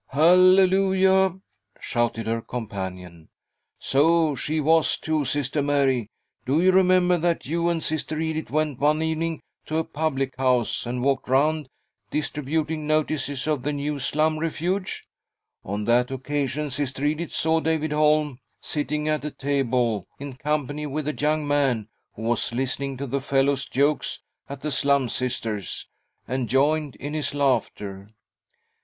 " Halleluia !" shouted her companion. " So she was, too, Sister Mary. Do you remember that you and Sister Edith went one evening to a public L go THY SOUL SHALL BEAR WITNESS ! house, and walked round distributing notices of the new Slum Refuge ? On that occasion Sister Edith saw David Holm sitting at a table in company with a young man, who was listening to the fellow's jokes at the Slum Sisters, and joined in his laughter.